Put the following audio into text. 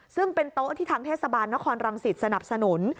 ซึ่งเป็นโต๊ะที่ทางเทศบาลนครรังสิตสนับสนุน